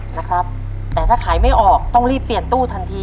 นะครับแต่ถ้าขายไม่ออกต้องรีบเปลี่ยนตู้ทันที